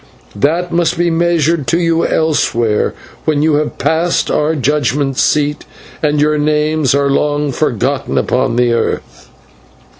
That must be measured to you elsewhere, when you have passed our judgment seat and your names are long forgotten upon the earth.